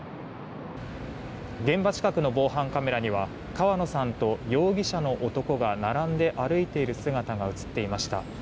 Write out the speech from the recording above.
現場近くの防犯カメラには川野さんと容疑者の男が並んで歩いている姿が映っていました。